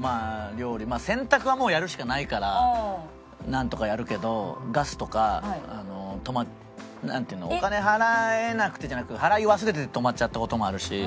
まあ料理洗濯はもうやるしかないからなんとかやるけどガスとか止まなんていうのお金払えなくてじゃなくて払い忘れて止まっちゃった事もあるし。